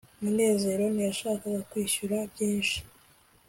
munezero ntiyashakaga kwishyura byinshi